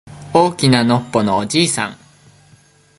大きなのっぽのおじいさん